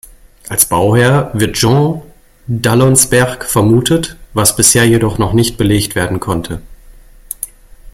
Als Bauherr wird Jean d’Alensberg vermutet, was bisher jedoch noch nicht belegt werden konnte.